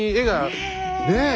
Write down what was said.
ねえ！